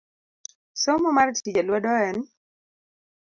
Somo mar tije lwedo en